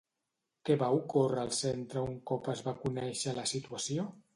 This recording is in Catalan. Què va ocórrer al centre un cop es va conèixer la situació?